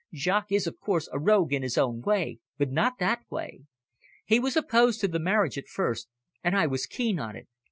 Jaques is, of course, a rogue in his own way, but not that way. He was opposed to the marriage at first, and I was keen on it.